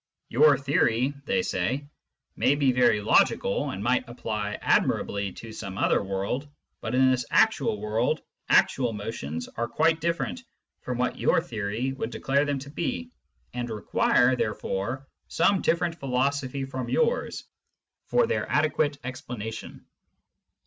"Your theory," they say, "may be very logical, and might apply admirably to some other world ; but in this actual world, actual motions are quite different from what your theory would declare them to be, and require, there fore, some different philosophy from yours for their adequate explanation."